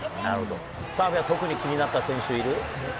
澤部は特に気になった選手いる？